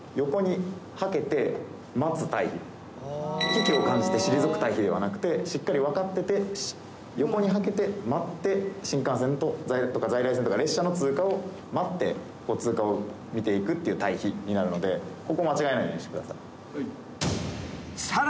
危機を感じて退く退避ではなくてしっかり分かってて横にはけて待って新幹線とか在来線とか列車の通過を待って通過を見ていくっていう待避になるのでここ間違えないようにしてください。